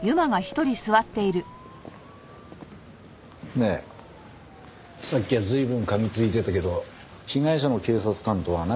ねえさっきは随分かみついてたけど被害者の警察官とは仲良かったの？